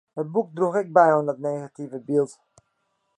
It boek droech ek by oan dat negative byld.